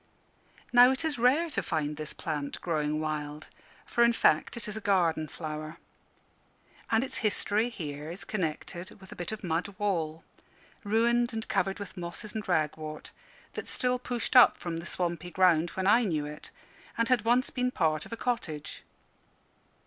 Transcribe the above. Now, it is rare to find this plant growing wild; for, in fact, it is a garden flower. And its history here is connected with a bit of mud wall, ruined and covered with mosses and ragwort, that still pushed up from the swampy ground when I knew it, and had once been part of a cottage.